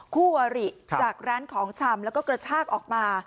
คู่หวริจากแรงของชำและก็กระชากออกมา